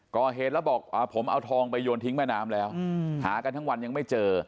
ก่อเหตุแล้วบอกผมเอาทองไปโยนทิ้งแม่น้ำแล้วหากันทั้งวันยังไม่เจอ